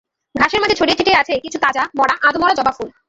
ঘাসের মাঝে ছড়িয়ে ছিটিয়ে আছে কিছু তাজা, মরা, আধমরা জবা ফুল।